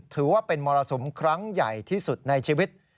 ถือว่าเป็นมรสุมครั้งใหญ่ที่สุดในชีวิต